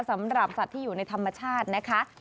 สำหรับสัตว์ที่อยู่ในธรรมชาตินะคะ